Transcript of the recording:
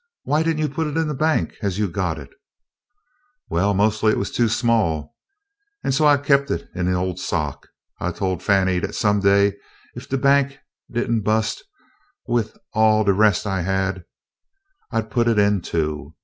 Why did n't you put it in the bank as you got it?" "Why, mos'ly it was too small, an' so I des' kep' it in a ol' sock. I tol' Fannie dat some day ef de bank did n't bus' wid all de res' I had, I 'd put it in too.